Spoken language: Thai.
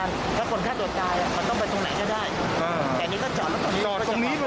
เขาขอพักช่วยเหลือเขาอาจจะวูบตรงนั้น